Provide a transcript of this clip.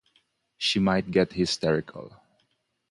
She might get hysterical.